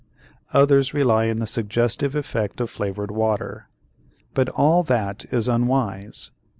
Others rely on the suggestive effect of flavored water. But all that is unwise.